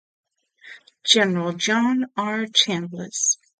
General John R. Chambliss.